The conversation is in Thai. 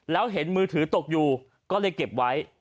แล้วเห็นมือถือตกอยู่ก็เลยเก็บไว้